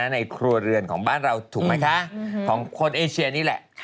ในครัวเรือนของบ้านเราถูกไหมคะของคนเอเชียนี่แหละ